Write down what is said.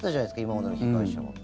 今までの被害者は。